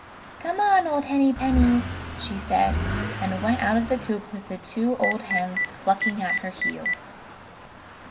"Come on, old Hennypennies!" she said, and went out of the coop with the two old hens clucking at her heels.